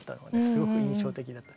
すごく印象的だった。